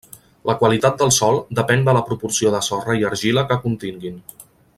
La qualitat del sòl depèn de la proporció de sorra i argila que continguin.